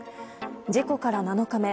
事故から７日目